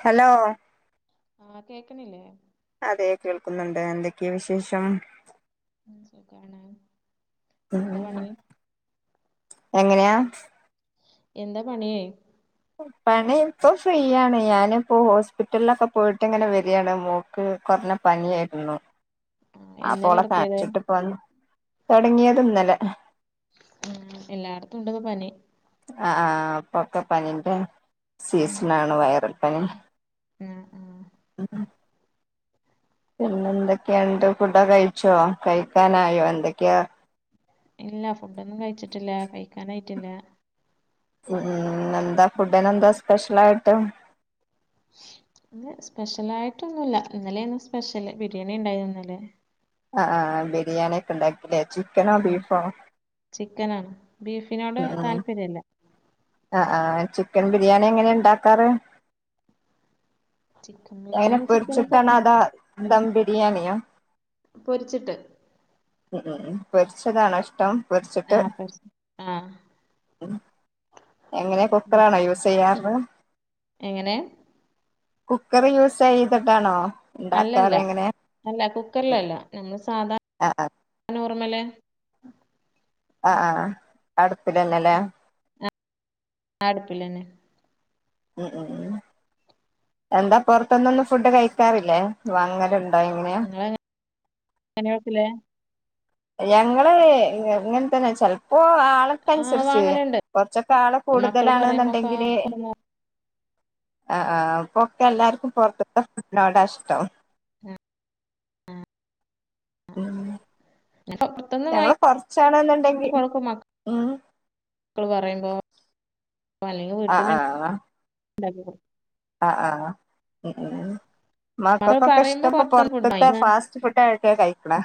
Hello ആ കേക്ക്ണില്ലേ അതെ കേൾക്കുന്നുണ്ട് എന്തൊക്കെ വിശേഷം ഉം സുഖാണ് എന്താ പണി എങ്ങനെയാ എന്താ പണി പണി പ്പം ഫ്രീയാണ് ഞാന്പ്പോ ഹോസ്പിറ്റലിലൊക്കെ പോയിട്ട്ങ്ങനെ വെരാണ് മോൾക്ക് ല്ല പനിയായ്ര്ന്നു ആഹ് എന്നേ അപ്പോളെ തൊടത്തിയത് കാണ്ച്ച്ട്ട്പ്പം തൊടങ്ങിയത് ന്നലെ ആ എല്ലായ്ട്ത്തുണ്ട്പ്പോ പനി ആ ആ പ്പൊക്കെ പനിന്റെ ഉം സീസണാണ് വൈറൽപ്പനി ആഹ് ആഹ് പിന്നെ എന്തൊക്കെയ്ണ്ട് ഫുഡൊക്കെഴിച്ചോ കഴിക്കാനായോ എന്തൊക്കെയാ ഇല്ല ഫുഡൊന്നും കഴ്ച്ചിട്ടില്ല കഴിക്കാനായ്ട്ടില്ല ഉം, ഫുഡിന് എന്താ ഫുഡിനെന്താ സ്പെഷ്യൽ ആയിട്ട് ആ സ്പെഷ്യൽ ആയിട്ടൊന്നുമില്ല ഇന്നലെ സ്പെഷ്യല് ബിരിയാണി ഉണ്ടായിരുന്നു ഇന്നലെ ആ, ബിരിയാണി ഒക്കെ ഉണ്ടാക്കില്ലേ ചിക്കനോ ആഹ് ബീഫോ ചിക്കനാണ് ബീഫിനോട് താല്പര്യല്ല ആ, ആ ചിക്കൻ ബിരിയാണി എങ്ങനെ ഉണ്ടാക്കാറ്. ചിക്കൻ അയിനെ ബിരിയാണി ചിക്കന് പൊ പൊരിച്ചിട്ടാണ് അതാ എന്താ ബിരിയാണിയോ പൊരിച്ചിട്ട് ഉം, പൊരിച്ചതാണോ ഇഷ്ടം ആ, പൊരിച്ചിട്ട് ആ എങ്ങനെ കുക്കറാണോ യൂസ് ചെയ്യാറ് എങ്ങനെ കുക്കർ യൂസ് ചെയ്തിട്ടാണോ അല്ലല്ല ഇണ്ടാക്കാറ് എങ്ങനെ അല്ല കുക്കറിലല്ല നമ്മ ആ, ആ നോർമല് ആ, ആ, അടുപ്പിലല്ല അല്ലേ ആടുപ്പില് ഉം ഉം എന്താ പൊറത്തൊന്നൊന്നും ഫുഡ് കഴിക്കാറില്ലേ അങ്ങന [unintelligible] കറി വെക്കില്ലേ ഞങ്ങളെ ഇങ്ങനെ തന്നെ ചെ ഓ ആളൊക്കെ ആഹ് അനുസരിച്ച് വാങ്ങലുണ്ട് കൊറച്ചൊക്കെ ആള് മക്കള് പറയുമ്പോക്കെ കൂടുതലാണെന്നുണ്ടെങ്കില് [unintelligible] ആ, ആ ഇപ്പൊക്കെ എല്ലാർക്കും പുറത്തത്തെ ഫുഡിനോടാ ഇഷ്ടം. ഉം, ഉം, ഉം ആ ഇപ്പൊ പുറത്തുന്ന വാങ്ങി ഞങ്ങള് കൊറച്ചാണെന്നുണ്ടെങ്കി കൊടുക്ക ഉം മക്കള് പറയുമ്പോ അപ്പ അല്ലെങ്കിൽ വീട്ടില് ആ, ആ, ഉം, ഉം മക്കള് മക്കൾക്കൊക്കെ ഇഷ്ട പറയുമ്പോ ഇപ്പൊ പുറത്തുന്ന് ഫുഡ് വാങ്ങി പൊറത്തത്തെ ഫാസ്റ്റ് ഫുഡ് ആയിട്ട കഴിക്കണെ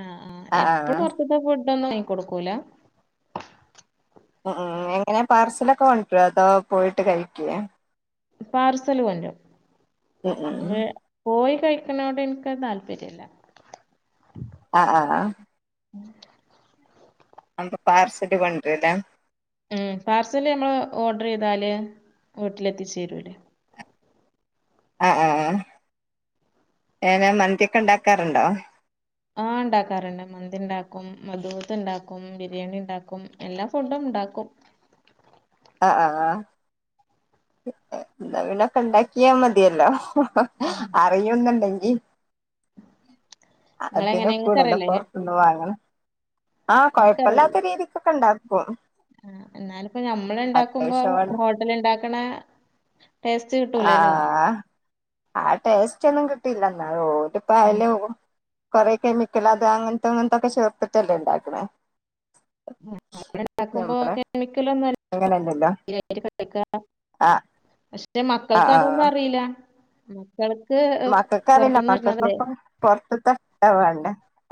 ആ, ആ എപ്പളും പുറത്തത്തെ ഫുഡ് ഒന്നും ഇങ്ങനെ കൊടുക്കൂല. ഉ, ഉം എങ്ങനെ പാർസലൊക്കെ കൊണ്ട് വരുവോ അതോ പോയിട്ട് കഴിക്കുവോ? പാർസല് വരും ഉം ഉം പോയി കഴിക്കണോട് എനിക്ക് താല്പര്യല്ല. ആ ആ ആ ഉം അപ്പ പാർസല് കൊണ്ടരല്ലേ ഉം, പാർസല് നമ്മള് ഓർഡർ ചെയ്താല് വീട്ടിലെത്തിച്ചേരൂല്ലേ. ആ, ആ എങ്ങ നെ മന്തിയൊക്കെ ഉണ്ടാക്കാറുണ്ടോ. ആ ഉണ്ടാക്കാറുണ്ട്, മന്തി ഉണ്ടാക്കും മധുത്ത് ഉണ്ടാക്കും ബിരിയാണി ഉണ്ടാക്കും എല്ലാ ഫുഡും ഉണ്ടാക്കും ആ ആ, ആ അങ്ങനൊക്കെ ഉണ്ടാക്കിയാ മതിയല്ലോ. ഉം അറിയുന്നുണ്ടെങ്കി [unintelligible] അതൊക്കെ നിങ്ങളെങ്ങനെ കൂടുതല് ഇപ്പ നിങ്ങക്കറിയില്ലേ വാങ്ങല് ആ, കുഴപ്പില്ലാത്ത രീതിക്കൊക്കെ ഉണ്ടാക്കും. ആ എന്നാലിപ്പോ നമ്മൾ ഉണ്ടാക്കുമ്പോ ഹോട്ടലണ്ട ആ, ആ ടേസ്റ്റ് എന്നത് കിട്ടില്ല എന്നാ ഉം ഇവിടിപ്പായല കുറെ കെമിക്കൽ അത് അങ്ങനത്തെ അങ്ങനത്തൊക്കെ ചേർത്ത്ട്ടല്ലേ ഇണ്ടാക്കണേ അവിടെണ്ടാക്കുമ്പോ കെമിക്കലൊന്നും അങ്ങനെയല്ലല്ലോ കട്ടക്ക ആഹ് പക്ഷെ ആഹ് മക്കൾക്ക് അതൊന്നും അറിയില്ല മക്കൾക്ക് മക്കൾക്കാവില്ല പൊറത്തുന്ന് മക്കൾക്കൊ വരുന്നതല്ലേ പൊറത്തത്തൊവണ്ട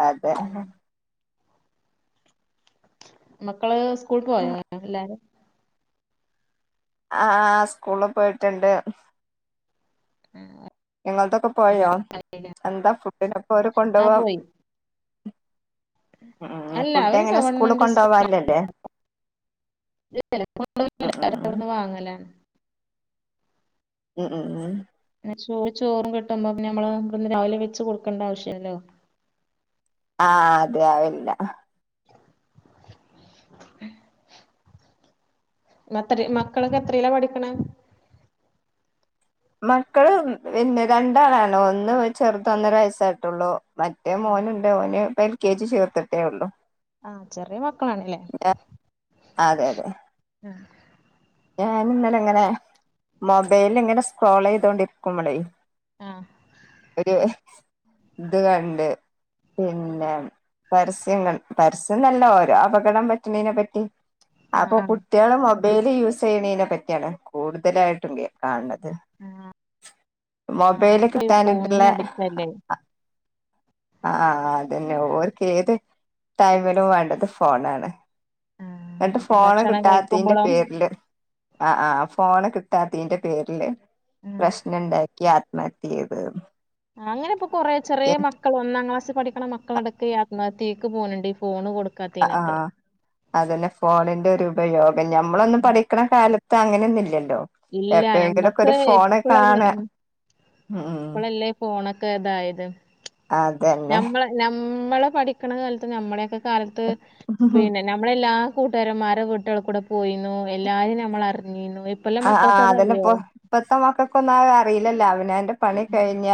അതെ ഉം. മക്കള് സ്കൂൾ പോയോ എല്ലാരും ആ സ്കൂളില് പോയിട്ടുണ്ട് ഉം ഞങ്ങത്തൊക്കെ പോയോ എന്താ ഫുഡിനപ്പോ അവര് കൊണ്ടു ആഹ് പോവാ പോയി ഉം അല്ല ഫുഡ് അവര് എങ്ങനെ സ്കൂള് ഗവൺമെന്റ് കൊണ്ടോവല്ലല്ലേ ഉം ഉം എല്ലരുംവിന്ന് വാങ്ങലാണ് ഉം ഉം ഉം എന്നന്ന ചോറ് ചോറും കിട്ടുമ്പോ പിന്ന നമ്മള് ഇന്ന് രാവിലെ വെച്ച് കൊടുക്കണ്ട ആവശ്യല്ലോ ആ അതെ ആവില്ല ഉഏ [unintelligible] അത്ര മക്കളൊക്കെ എത്രല്ല പഠിക്കണം മക്കള് പിന്നെ രണ്ടാളാണഒന്ന് ചെറുതൊന്നര വയസ്സായിട്ടുള്ളൂ മറ്റേ മോനുണ്ട് ഓന് ഇപ്പം എൽ കെ ജി ചേർക്കട്ടേ ഉള്ളു ആഹ് ചെറിയ മക്കളാണല്ലേ അതെ അതെ ആ ഞാൻ ഇന്നല ഇങ്ങനെ മൊബൈല ഇങ്ങനെ സ്ക്രോൾ ചെയ്തോണ്ടിരിക്കുംമ്പളേ ആഹ് ഒരു ഇത് കണ്ട് പിന്നെ പരസ്യം പരസ്യം നല്ല ഓരോ അപകടം പറ്റണതിനതിനെ പറ്റി അപ്പൊ ആഹ് ആഹ് കുട്ടികള് മൊബൈല് യൂസ് ചെയ്യണതിനെ പറ്റിയാണ് കൂടുതലായിട്ടും കാണുന്നത് മൊബൈല് അപ്പൊ ഈ ഫോണിന് കിട്ടാനിട്ടുള്ള അഡിക്റ്റ് അല്ലേ ആഹ് അതന്നെ ഓർക്ക് ഏത് ടൈമിലും വേണ്ടത് ഫോണാണ് എന്നിട്ട് ഫോണ് ഭക്ഷണം കിട്ടാത്തന്റെ കഴിക്കുമ്പോളും പേരില് ആ ആ ഫോൺ കിട്ടാത്തീന്റെ പേരില് പ്രശ്നണ്ടാക്കി നടത്തിയത് അങ്ങനെപ്പൊ കൊറേ ചെറിയ മക്കൾ ഒന്നാം ക്ലാസ്സി പഠിക്ക മക്കളടക്കം ആത്മഹത്തീക്ക് പോകണ്ടണ്ട്ഈ ഫോണ്ടു ആഹ് അതന്നെ ഫോണിന്റെ ഒരു ഉപയോഗം ഞമ്മളൊന്ന് പഠിക്കണ കാലത്ത് അങ്ങനെയൊന്ന ഇല്ലല്ലോ ഇല്ല എപ്പോങ്കിലുംക്കെ നമ്മക്ക് ഒരു ഫോണ് കാണ ഉം ഇപ്പോളല്ലേ ഫോണൊക്കെ ഇതായത് അതന്നെ നമ്മളെ നമ്മള് പഠിക്കണ കാലത്ത് നമ്മളൊക്കെ കാലത്ത് പിന്നെ നമ്മളെ എല്ലാ കൂട്ടുകാരന്മാരുടെ വീട്ടുകൾ കൂടെ പോയിന്നു എല്ലാരീം നമ്മൾ അറിഞ്ഞിുന്നു ആഹ് അതന്നെ ഇ പൊത്തമക്കക്ക അറിയില്ലല്ലോ അവനാന്റെ പണി കഴിഞ്ഞ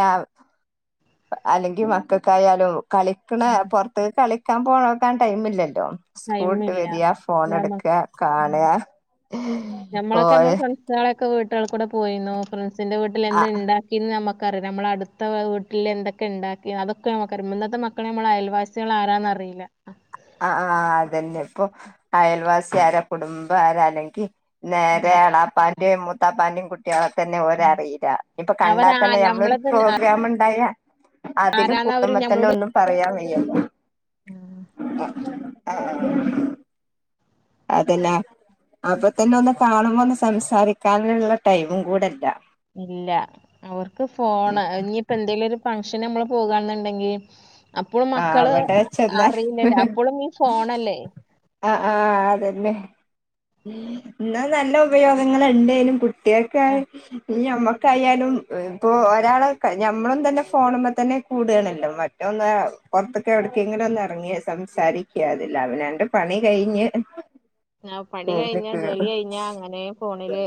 അല്ലെങ്കി മക്കൾക്കായാലും കളിക്കണ പുറത്ത് കളിക്കാൻ പോകാൻ ടൈമ ഇില്ലല്ലോ ല്ലോ സ്കൂളട്ട് ടൈമില്ല വരിയാ ഫോൺ എടുക്കുക കാണുക ഓ ഞമ്മളൊക്കെ നമ്മള് ഫ്രണ്ട്സുകളൊക്കെ വീട്ടുകൾക്ക കൂടെ പോയി ഫ്രണ്ട് ന്റെ വീട്ടിൽ ആഹ് എന്ത്തുണ്ടാക്കിന്ന് നമുക്ക് നമ്മള അടുത്ത വീട്ടിൽ എന്തൊക്കെ ഉണ്ടാക്കി അതൊക്കെ നമുക്ക ഇന്നത്തെ മക്കെ നമ്മൾ അയൽവാസികൾ ആരാ അല ആഹ് ആ അതന്നെ ഇപ്പൊ അയൽവാസി ആര കുടുംബ ആര അല്ലെങ്കി നേരെ ആ. എളാപ്പാന്റെയും മൂത്താപ്പാന്റെയും കുട്ട കുട്ട്യാ ളെ തന്നെ ര അറിയില്ല ഇപ്പൊ കണ്ടാൽ അവരാ തന്നെ ഞമ്മളൊരു നമ്മളത് പ്രോഗ്രാാം ഉണ്ടായാ അതില് ആരാന്ന കൂടുമ്പ തന്നെ ഒന്നും പറയാൻ വയ്യല്ലോ ആഹ് ആ ആ അതല്ലാ അപ്പൊ തന്നെ ഒന്ന് കാണുമ്പോ ഒന്ന് സംസാരിക്കാനുള്ള ടൈമും കൂടെല്ലാ ഇല്ല അവർക്ക് ഫോൺ ഇനിപ്പോ എന്തെിലും ഒരു ഫങ്ഷന് നമ്മള് പോകെന്നുണ്ടെങ്കിൽ അപ്പോളും ആ മക്കള് അവിടെ ചെന്നാൽ അറിയില്ലല്ലേ അപ്പളും ഈ ഫോണല്ലേ ആഹ് ആഹ് അതന്നെ എന്നാ നല്ല ഉപയോഗങ്ങൾ ഉണ്ടേലും ആ കുട്ടികൾക്കമ്മ കയാലും ഇപ്പോ ഒരാള് മ്മളും തന്നെ ഫോണുമ്മേ തന്നെ കൂടുണല്ലോ മറ്റന്ന് പുറത്തൊക്കെ എവിടക്ക ഇങ്ങടെ ഒന്ന് ഇറങ്ങിയ സംസാരിക്ക അതില്ല അവനാൻ്റെ പണി കഴിഞ്ഞ് പണി റൂമിൽ കഴിഞ്ഞ ജോലി കേറും കഴിഞ്ഞാ അങ്ങനെ ഫോണില്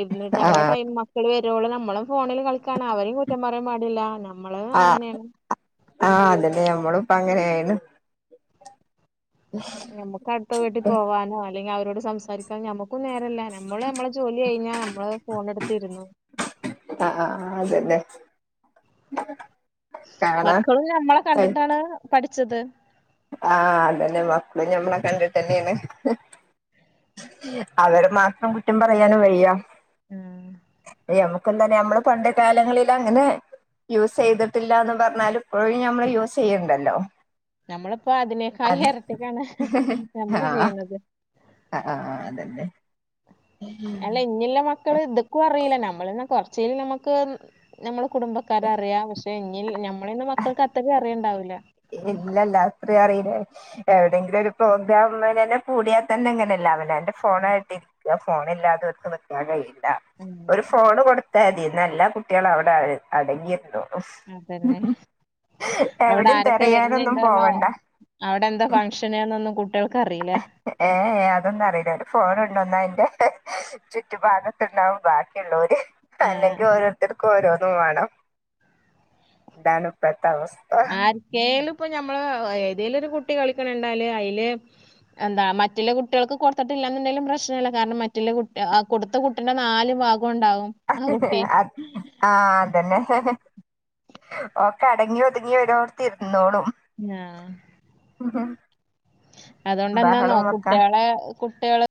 ഇ ആ നമ്മുടെ ടൈ മക്കള് വ രോളും നമ്മളും ഫോണിൽ കളിക്കാണ് അവരും കുറ്റം പറയാാൻ പാടില്ല നമ്മള് ആ അങ്ങനെയാണ് ആ അതല്ലേ നമ്മളും ഇപ്പ അങ്ങനെയായാണ് [unintelligible] നമ്മക്ക് അടുത്ത വീട്ടിൽ പോവാനോ അല്ലെങ്കിൽ അവരോട് സംസാരിക്കാനോ മ്മക്കും നേരല്ലേ നമ്മള് നമ്മള് ജോലി കഴിഞ്ഞാ നമ്മള് ഫോണ എടുത്തിരുന്നു ആ ആ അതല്ലെ മക്കള് നമ്മളെ കണ്ടിട്ടാണ് പഠിച്ചത് ആ അതന്നെ മക്കള ഞമ്മളെ കണ്ടിട്ട് തന്നെയാണ് അവര് മാത്രം കുറ്റം പറയാനും വഴിയ ആ നമുക്ക എന്തന്ന നമ്മള് പണ്ട് കാലങ്ങളിൽ അങ്ങനെ യൂസ് ചെയ്തിട്ടില്ലന്ന് പറഞ്ഞാല് ഇപ്പോഴ നമ്മള് യൂസ് ചെയ്യണ്ടല്ലോ നമ്മളിപ്പോ അതിനെക്കായി അത് ഇരട്ടിക്കാണ് നമ്മള് ചെയ്യുന്നത് ആ ആ അതന്നെ അല്ല ഇഞുള്ള മക്കള് ഇതൊക്കും അറിയില്ല നമ്മൾന്ന കൊറച്ച നമ്മുക്ക് നമ്മൾ കുടുംബക്കാര അറിയാം പക്ഷെ ഇതിൽ ഞമ്മളന്നെ മക്കൾക്ക് അത്രയും അറിയേണ്ടാവില്ല ഇല്ലല്ലാ അത്രയും അറിയില്ലേ എവിടെയെങ്കിലും ഒരു പ്രോഗ്രാംന്നെ കൂടിയാൽ തന്നെ എങ്ങനെല്ല അവന ഫോണായിട്ടരിക്ക ഫോണില്ലാതെ വർക്ക് നിക്കാൻ കഴിയില്ല ഉം ഒരു ഫോൺ കൊടുത്തതി നല്ല കുട്ടികള അവിടെ അടങ്ങിയിരുന്നോളും എവിടെം വരുന്നുണ്ടോന്നോ അവിടെ എന്താ ഫക്ഷൻ ന്ന്നും കുട്ടി ഏഏ അതൊന്നും അറിയില്ല ഒരു ഫോൺ ഉണ്ടോന്ന അന്റെ [unintelligible] ചുറ്റു ഭാഗത്തുണ്ടാവും ബാക്കിയുള്ളവര് ആഹ് അല്ലെങ്കിൽ ഓരോരുത്തർക്കും ഓരോന്ന് വേണം എന്താണ് ഇപ്പത്തെ അവസ്ഥ ആർക്കേലും ഇപ്പൊ ഞമ്മള് ഏതേലുംരു കുട്ടി കളിക്കണണ്ടാല് അയില് എന്താ മറ്റുള്ള കുട്ടികൾക്ക് കൊടുത്തിട്ട്ല്ലന്നുണ്ടെിലും പ്രശ്നമല്ല കാരണം മറ്റ കുട്ട കൊടുത്ത കുട്ടിന്റെ നാല് ഭാഗ അ ആഹ അതെന്നെ ഓക്കെ അടങ്ങി ഒതുങ്ങി വരോർത്തിരുന്നോളും ആ ആ അതുകൊണ്ട് എന്താന്നോ കുട്ടികളെ കുട്ടികളെ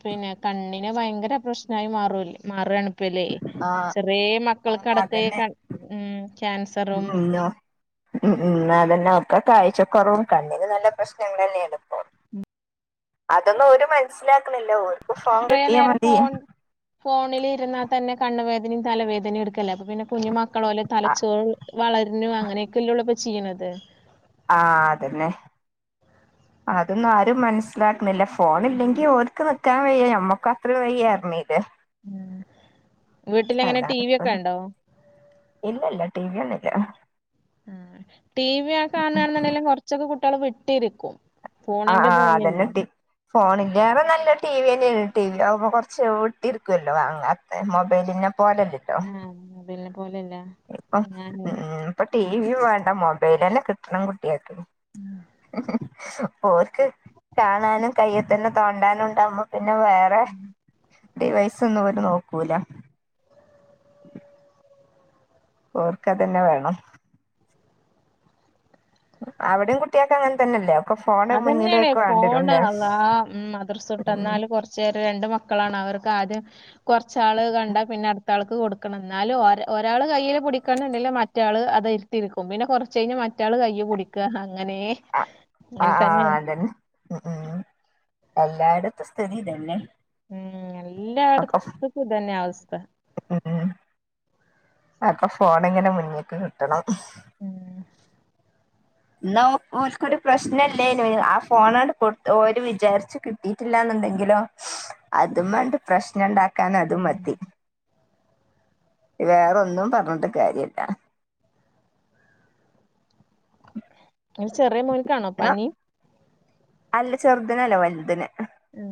പിന്നെ കണ്ണിന് ഭയങ്കര പ്രശ്നമായി മാറല്ലേ മാറാണ് ഇപ്പല്ലേ ആഹ് ചെറിയ ആഹ് മക്കൾക്ക്ടക്ക അതന്നെ ഇകണ ക്യാൻസറും ഉം ഉം അതെല്ലെ ഒക്കെ കാഴ്ച കുറവും കണ്ണിന് നല്ല പ്രശ്നങ്ങളല്ലെ ഇത് പം അതൊന്നും ഒരു മനസിലാക്കുന്നില്ല ഓർക്ക് ഫോം കുറേ കിട്ടിയാ നേരം മതി ഫോൺ ഫോണിൽ ഇരന്നാൽ തന്നെ കണ്ണുവേനയും തലവേദനയും എടുക്കല്ലെ അപ്പ പിന്നെ കുഞ്ഞു മക്കള പോലെ ആഹ് തലച്ചോറ് വളർന്നു അങ്ങനെയൊക്കെല്ലേ ഉള്ള ഇപ്പൊ ചെയ്യണത് ആ അതന്നെ അതൊന്നും ആരും മനസ്സിലാക്ക ല്ല ഫോണ ഇല്ലെങ്കി ഓൽക്ക് നിക്കാൻ വയ്യ നമ്മക്ക് അത്ര വയ്യായിരണീലെ വീട്ടിലെങ്ങനെ അത ടി വി ഒക്കെ ഉണ്ടോ ഇല്ല ഇല്ല ടടി വിയല്ലെ ടി വി ആകാണാണെങ്കിൽ കാണു കൊറച്ചൊക്കെ കുട്ടികൾ വിട്ടിരിക്കും ആ ഫോണിന്റെ ആ പോലെയല്ല അതന്നെ ഫോണിലേറെ നല്ല ടി വിന്നേണ് ടി വി ആകുമ്പോ കുറച്ച് വിട്ടിരിക്കുവല്ലോ വാങ്ങ മൊബൈലിന്നെ- [unintelligible] പോലല്ല ഞാനെ ഇപ്പൊ ടി. വി വേണ്ട മൊബൈലെന്നെ കിട്ടണം കുട്ടിയാക്ക്. ഓർക്ക് കാണാനും കയ്യിൽ തന്നെ തോണ്ടാനും ണ്ടാവുമ്പോ- പിന്നെ വേറെ ഡിവൈസൊന്ന [unintelligible] കൂല ഓർക്കതന്നെ വേണം. അവിടയും കുട്ടിയൊക്കെ അങ്ങനെ തന്നെല്ലേ അതന്നെയാണ് ഫോണ് അള്ളാ ഉം മതിർസുട്ട്ന്നാല് കുറച്ചേര രണ്ട് മക്കളാണ് അവർക്ക് ആദ്യം കുറച്ചാൾ കണ്ട പിന്നെ അടുത്ത ആൾക്ക് കൊടുക്കണം ന്നാലും ഒരാ- ഒരള് കയ്യിയില്ടിക്കുണ്ടെങ്കിൽ മറ്റാള അത് ഇരുത്തിരിക്കും പിന്നെ കുറച്ച്- കഴിഞ്ഞൽ മറ്റാള് കയ്യു പുടിക്കു. അങ്ങനെ ആ ആ... അങ്ങനെ ആ.. തന്നെയാണ് അതന്നെ ഉം.. ഉം.. എല്ലായിടത്തും സ്ഥിതിതന്നെ. ഉം എല്ലാടത്തക്കുംഇതന്നെ അവസ്ഥ അപ്പൊ ഫോണ്ങ്ങനെ മുന്നേക്കിട്ടണം ഉം ന്നാ ഓൽക്കൊരു പ്രശ്നല്ലേനും ആ.. ഫോണാണ്ട് കൊട്ത്ത് ഓല് വിചാരിച്ച് കിട്ടില്ല. ന്തെങ്കിലോ അതുംമണ്ട് പ്രശ്നണ്ടാക്കാൻ അത് ഉം മതി വേറൊന്നും പറഞ്ഞിട്ട് കാര്യല്ല. [inaudible] [inaudible] ചെറിയ മോൻക്കാണോ എന്നാ പനി അല്ല ചെറുതിനല്ലാ വലുതിന് ഉം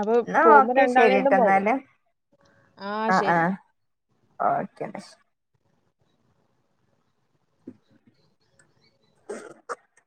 അപ്പൊ എന്നാ പോകുമ്പോ ഓക്കെ രണ്ടാളണ്ടും ശരിട്ടോ പോകും എന്നാല് ആ ശരി ഓക്കേന്നാ. [inaudible]